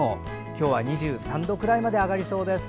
今日は２３度くらいまで上がりそうです。